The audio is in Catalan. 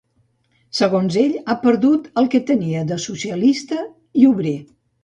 Segons ell, ha perdut el que tenia de ‘socialista’ i ‘obrer’.